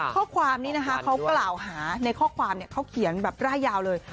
ข้อความนี้นะคะเขากล่าวหาในข้อความเขาเขียนแบบร่ายยาวเลย